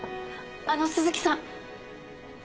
あの鈴木さん！